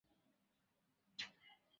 এমন কিছু করতে হবে যাতে লোকের উপকার হয়।